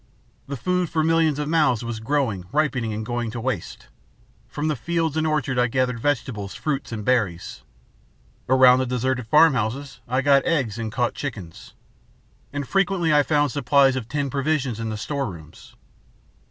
The food for millions of mouths was growing, ripening, and going to waste. From the fields and orchards I gathered vegetables, fruits, and berries. Around the deserted farmhouses I got eggs and caught chickens. And frequently I found supplies of tinned provisions in the store rooms.